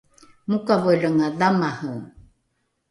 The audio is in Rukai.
mokavolenga dhamare